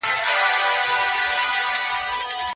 تاسو باید تل د صلي رحم او خپلولۍ پالنه وکړئ.